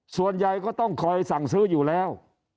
ส่วนใหญ่ก็ต้องคอยสั่งซื้ออยู่แล้ว